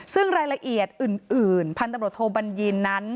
ซึ่งรายละเอียดอื่นพันธบทภภภบริยินนั้น